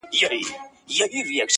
چي ته څوک یې ته پر کوم لوري روان یې،